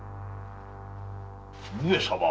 上様